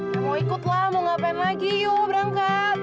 ya mau ikutlah mau ngapain lagi yuk berangkat